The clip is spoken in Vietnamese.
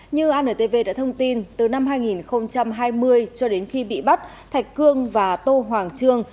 như antv đã thông tin từ năm hai nghìn hai mươi cho đến khi bị bắt thạch cương và tô hoàng trương